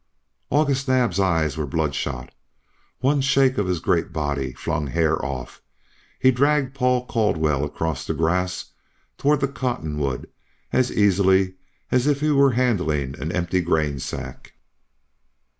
August Naab's eyes were bloodshot. One shake of his great body flung Hare off. He dragged Paul Caldwell across the grass toward the cottonwood as easily as if he were handling an empty grain sack.